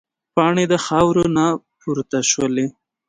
پاڼې د خاورو نه پورته شولې.